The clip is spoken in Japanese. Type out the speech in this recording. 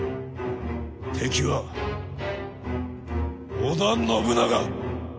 敵は織田信長！